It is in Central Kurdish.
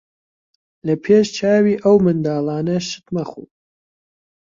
لە پێش چاوی ئەو منداڵانە شت مەخۆ.